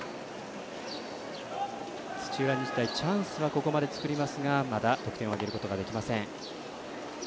土浦日大チャンスはここまで作りますが、まだ得点を挙げることはできません。